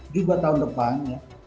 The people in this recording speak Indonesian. juga tahun depannya